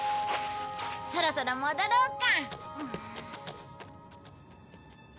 そろそろ戻ろうか。